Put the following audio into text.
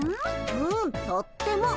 うんとっても。